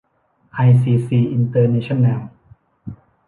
ไอ ซี ซี อินเตอร์เนชั่นแนล